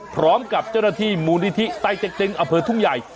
พร้อมกับเจ้าหน้าที่มูลนิธิไต้เต็กตึงอำเภอทุ่งใหญ่